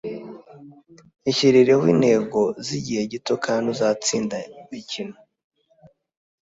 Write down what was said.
Ishyirireho intego zigihe gito kandi uzatsinda imikino